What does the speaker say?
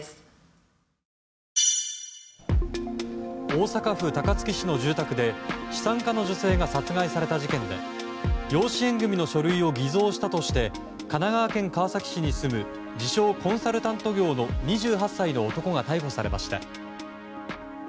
大阪府高槻市の住宅で資産家の女性が殺害された事件で養子縁組の書類を偽造したとして神奈川県川崎市に住む自称コンサルタント業の２８歳の男が逮捕されました。